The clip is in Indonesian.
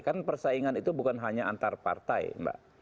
kan persaingan itu bukan hanya antar partai mbak